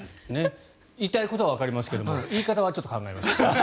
言いたいことはわかりますが言い方は考えましょう。